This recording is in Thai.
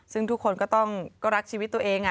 ซึ่งทุกคนก็ต้องรักชีวิตตัวเอง